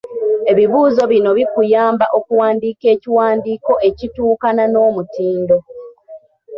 Ebibuuzo bino bi kuyamba okuwandiika ekiwandiiko ekituukana n'omutindo.